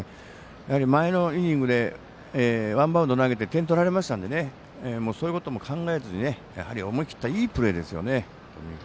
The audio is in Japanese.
やはり前のイニングでワンバウンド投げて点取られましたのでそういうことも考えずにやはり、思い切ったいいプレーですよね。